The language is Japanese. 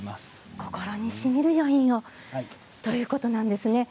心にしみる余韻ということですね。